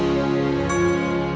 kamu hebat murdi